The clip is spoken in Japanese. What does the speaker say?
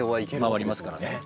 回りますからね。